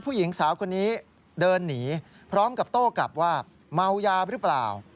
ผู้หญิงสาวคนนี้เดินหนีพร้อมกับโต้กลับว่าเมายาหรือเปล่า